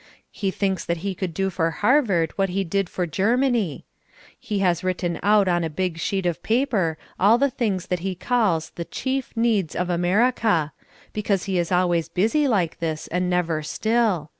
He thinks that he could do for Harvard what he did for Germany. He has written out on a big sheet of paper all the things that he calls the Chief Needs of America, because he is always busy like this and never still.